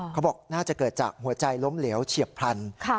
เขาบอกน่าจะเกิดจากหัวใจล้มเหลวเฉียบพลัน